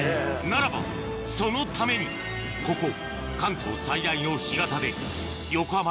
ならばそのためにここ関東最大の干潟で横浜ＤＡＳＨ